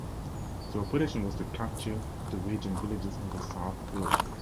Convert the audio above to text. The operation was to capture the ridge and villages on the south slope.